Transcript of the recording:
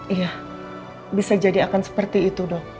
iya bisa jadi akan seperti itu dong